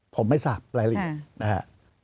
ผมไม่ทราบเลยนะครับ